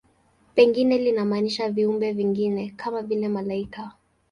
Pengine linamaanisha viumbe vingine, kama vile malaika.